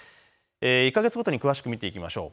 １か月ごとに詳しく見ていきましょう。